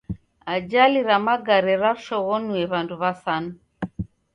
Ajali ra magare rashoghonue w'andu w'asanu.